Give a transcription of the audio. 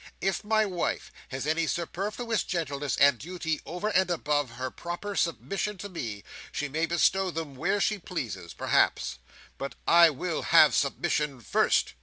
If my wife has any superfluous gentleness, and duty over and above her proper submission to me, she may bestow them where she pleases, perhaps; but I will have submission first!